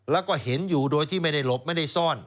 แล้วก็เห็นอยู่โดยที่ไม่ได้หลบไม่ได้ซ่อน